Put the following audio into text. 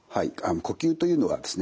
呼吸というのはですね